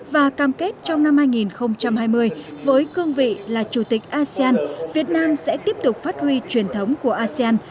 và cam kết trong năm hai nghìn hai mươi với cương vị là chủ tịch asean việt nam sẽ tiếp tục phát huy truyền thống của asean